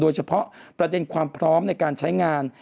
โดยเฉพาะประเด็นความพร้อมในการใช้งาน